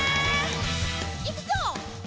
いくぞ。